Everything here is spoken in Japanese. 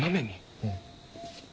うん。